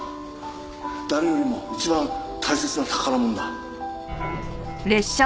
誰よりも一番大切な宝物だ。